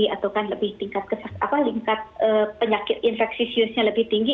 atau kan lebih tingkat penyakit infeksi siusnya lebih tinggi